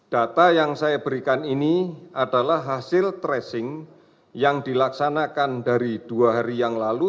data yang saya berikan ini adalah hasil tracing yang dilaksanakan dari dua hari yang lalu